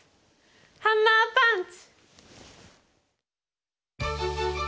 ハンマーパンチ！